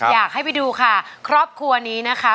อยากให้ไปดูค่ะครอบครัวนี้นะคะ